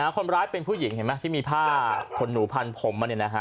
คนร้ายเป็นผู้หญิงที่มีผ้าขนหนูพันผม